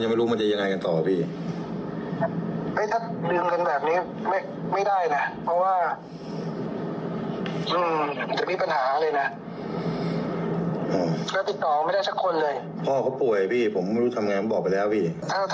ถ้าเราทำกันแบบนี้ก็ไม่เป็นไร